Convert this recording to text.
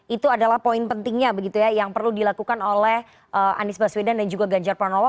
itu adalah poin pentingnya begitu ya yang perlu dilakukan oleh anies baswedan dan juga ganjar pranowo